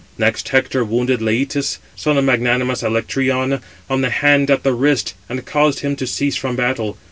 Next Hector wounded Leïtus, son of magnanimous Alectryon, on the hand at the wrist, and caused him to cease from battle.